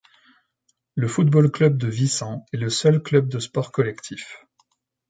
Le Football Club de Wissant est le seul club de sport collectif.